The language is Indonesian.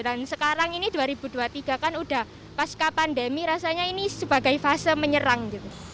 dan sekarang ini dua ribu dua puluh tiga kan udah paska pandemi rasanya ini sebagai fase menyerang gitu